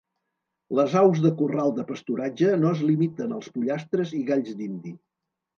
Les aus de corral de pasturatge no es limiten als pollastres i galls dindi.